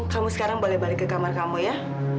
kamu sekarang boleh balik ke kamar kamu ya